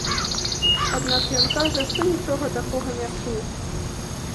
Аднак ён кажа, што нічога такога не чуў.